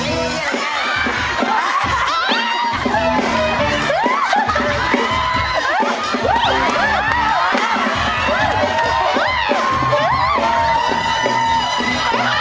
พ่อเชื่อมันในตัวลูกพ่อได้